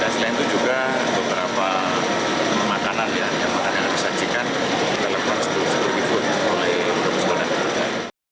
dan selain itu juga beberapa makanan yang bisa diberikan kita lepas itu seperti itu oleh bapak ibu